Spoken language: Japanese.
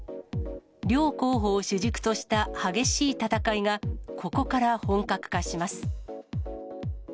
両候補を主軸とした激しい戦いが、ここから本格化します。